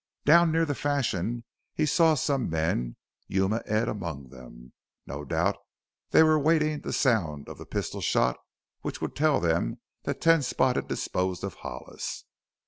Down near the Fashion he saw some men Yuma Ed among them. No doubt they were waiting the sound of the pistol shot which would tell them that Ten Spot had disposed of Hollis.